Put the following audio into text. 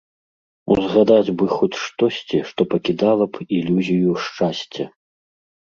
Узгадаць бы хоць штосьці, што пакідала б ілюзію шчасця.